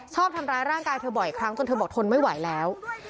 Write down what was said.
ชอบทำร้ายร่างกายเธอบ่อยครั้งจนเธอบอกทนไม่ไหวแล้ว